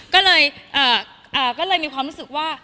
ก็เลยมีความรู้สึกว่า